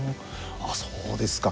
そうですか。